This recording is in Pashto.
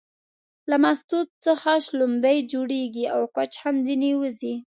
له مستو څخه شلومبې جوړيږي او کوچ هم ځنې وځي